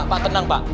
pak tenang pak